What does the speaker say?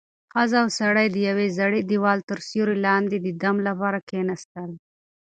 ښځه او سړی د یوې زړې دېوال تر سیوري لاندې د دم لپاره کېناستل.